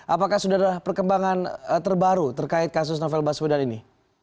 apakah sudah ada perkembangan terbaru terkait kasus novel baswedan ini